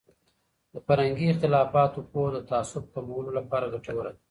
د فرهنګي اختلافاتو پوهه د تعصب کمولو لپاره ګټوره دی.